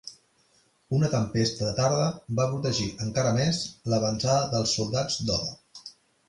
Una tempesta de tarda va protegir encara més l'avançada dels soldats d'Oda.